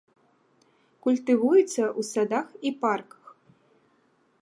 Культывуецца ў садах і парках.